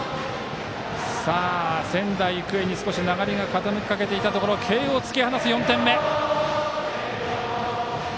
仙台育英に少し流れが傾きかけていたところ慶応、突き放す４点目。